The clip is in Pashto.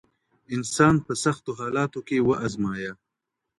انسانان په سختو حالاتو کي وازمایه.